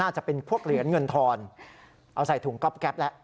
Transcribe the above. จะเป็นพวกเหรียญเงินทอนเอาใส่ถุงก๊อบแป๊บแล้ว